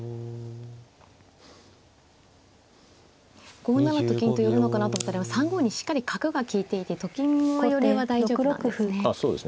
５七と金と寄るのかなと思ったら３五にしっかり角が利いていてと金の寄りは大丈夫なんですね。